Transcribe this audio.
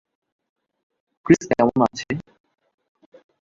Chris কেমন আছে?